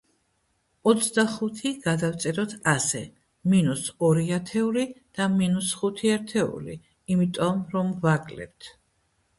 ოცდახუთი გადავწეროთ ასე, მინუს ორი ათეული და მინუს ხუთი ერთეული, იმიტომ, რომ ვაკლებთ.